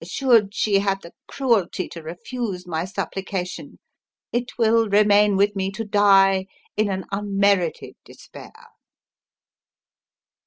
Should she have the cruelty to refuse my supplication, it will remain with me to die in an unmerited despair!"